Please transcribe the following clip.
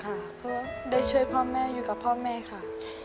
เพราะว่าได้ช่วยพ่อแม่อยู่กับพ่อแม่ค่ะ